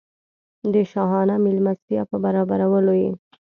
د شاهانه مېلمستیا په برابرولو یې.